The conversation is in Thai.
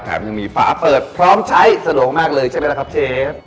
ยังมีฝาเปิดพร้อมใช้สะดวกมากเลยใช่ไหมล่ะครับเชฟ